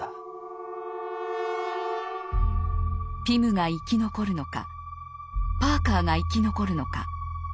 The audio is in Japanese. ピムが生き残るのかパーカーが生き残るのか。